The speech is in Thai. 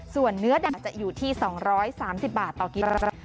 ส่วนเนื้อดั่งจะอยู่ที่๒๓๐บาทต่อกิโลกรัม